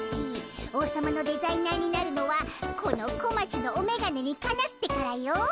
王様のデザイナーになるのはこの小町のおめがねにかなってからよ。